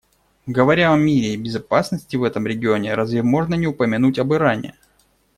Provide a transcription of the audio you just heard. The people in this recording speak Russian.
Говоря о мире и безопасности в этом регионе, разве можно не упомянуть об Иране?